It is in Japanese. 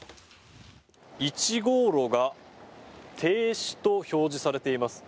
１号炉が停止と表示されています。